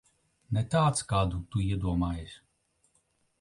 Ne tāds, kādu tu iedomājies.